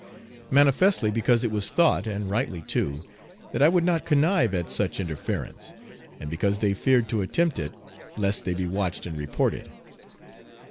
Manifestly because it was thought and rightly too that I would not connive at such interference, and because they feared to attempt it lest they be watched and reported.